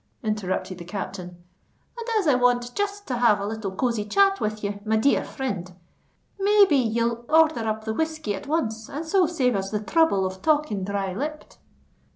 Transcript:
interrupted the captain; "and as I want just to have a little cozie chat with you, my dear frind, may be ye'll orther up the whiskey at once, and so save us the throuble of talking dry lipped."